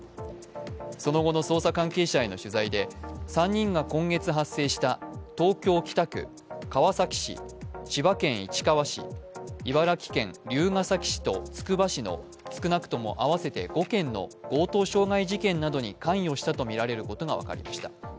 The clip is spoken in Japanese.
その後の捜査関係者への取材で３人が、今月発生した東京・北区、川崎市、千葉県市川市、茨城県龍ケ崎市とつくば市の少なくとも合わせて５件の強盗傷害事件などに関与したとみられることが分かりました。